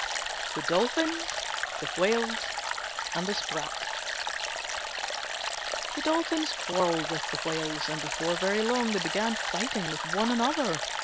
THE DOLPHINS, THE WHALES, AND THE SPRAT The Dolphins quarrelled with the Whales, and before very long they began fighting with one another.